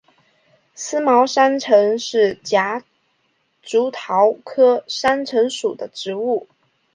思茅山橙是夹竹桃科山橙属的植物。